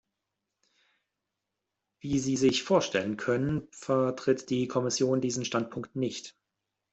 Wie Sie sich vorstellen können, vertritt die Kommission diesen Standpunkt nicht.